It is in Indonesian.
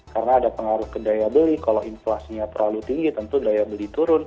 karena ada pengaruh ke daya beli kalau inflasinya terlalu tinggi tentu daya beli turun